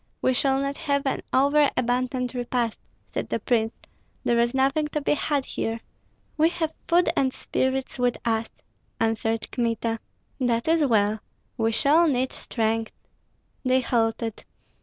"We shall not have an over abundant repast," said the prince; "there is nothing to be had here." "We have food and spirits with us," answered Kmita. "That is well! We shall need strength." They halted.